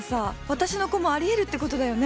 私の子もあり得るってことだよね？